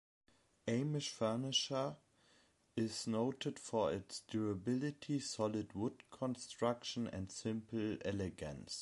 Amish furniture is noted for its durability, solid wood construction and simple elegance.